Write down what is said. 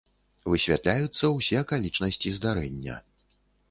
Высвятляюцца ўсе акалічнасці здарэння.